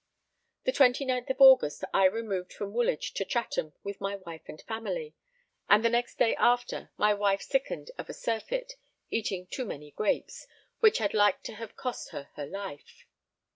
The 29th of August, I removed from Woolwich to Chatham with my wife and family, and the next day after my wife sickened of a surfeit, eating too many grapes, which had like to have cost her her life.